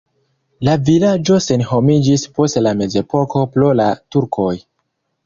La vilaĝo senhomiĝis post la mezepoko pro la turkoj.